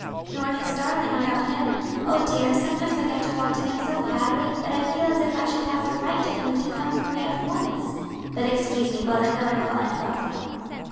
"Nor his darling without him. Oh, dear! sometimes I get to wanting him so badly that I feel as if I should have to write to him to come for me at once. But excuse me while I go and call Aunt Wealthy."